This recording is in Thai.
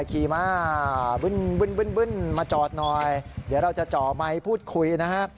ขี่มาบึ้นมาจอดหน่อยเดี๋ยวเราจะจ่อไมค์พูดคุยนะฮะ